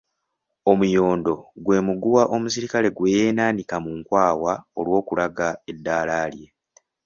Omuyondo gwe muguwa omusirikale gwe yeenaanika mu nkwawa olw’okulaga eddaala lye.